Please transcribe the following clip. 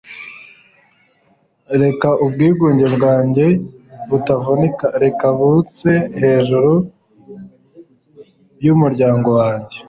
reka ubwigunge bwanjye butavunika! reka bust hejuru yumuryango wanjye